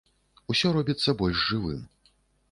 Усё робіцца больш жывым.